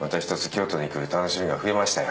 京都に来る楽しみが増えましたよ。